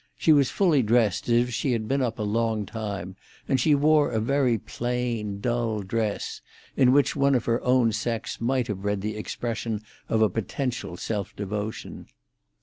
She was fully dressed, as if she had been up a long time, and she wore a very plain, dull dress, in which one of her own sex might have read the expression of a potential self devotion.